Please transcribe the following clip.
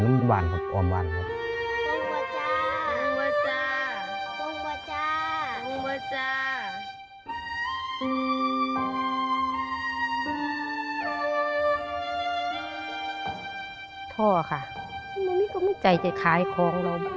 ท่อค่ะอันนี้ก็ไม่ใจจะขายของเรา